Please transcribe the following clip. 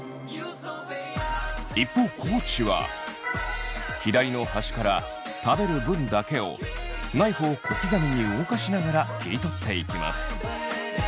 一方地は左の端から食べる分だけをナイフを小刻みに動かしながら切り取っていきます。